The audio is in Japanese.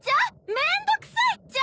面倒くさいっちゃ！